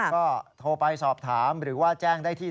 ก็โทรไปสอบถามหรือว่าแจ้งได้ที่